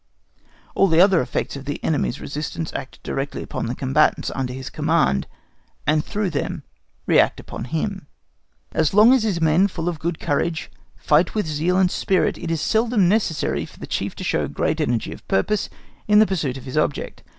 All the other effects of the enemy's resistance act directly upon the combatants under his command, and through them react upon him. As long as his men full of good courage fight with zeal and spirit, it is seldom necessary for the Chief to show great energy of purpose in the pursuit of his object.